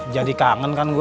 jadi kangen kan gue